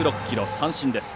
三振です。